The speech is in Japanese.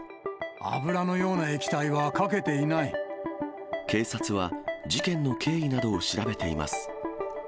油のような液体はかけていな警察は、事件の経緯などを調べています。